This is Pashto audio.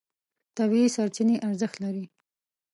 طبیعي سرچینې ارزښت لري.